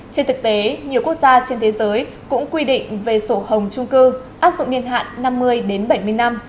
trên thực tế nhiều quốc gia trên thế giới cũng quy định về sổ hồng trung cư áp dụng niên hạn năm mươi đến bảy mươi năm